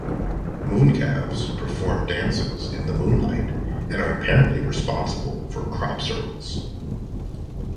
Mooncalves perform dances in the moonlight, and are apparently responsible for crop circles.